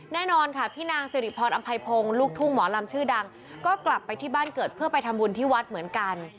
แน่นอนค่ะพี่นางสิริพรอำไพพงศ์ลูกทุ่งหมอลำชื่อดังก็กลับไปที่บ้านเกิดเพื่อไปทำบุญที่วัดเหมือนกัน